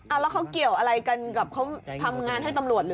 อะเขาเกี่ยวอะไรกันกับเขาทำงานให้ตำรวจ